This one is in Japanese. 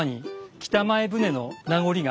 北前船の名残が？